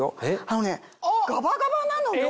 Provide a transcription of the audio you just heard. あのねガバガバなのよ。